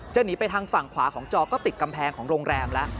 หนีไปทางฝั่งขวาของจอก็ติดกำแพงของโรงแรมแล้ว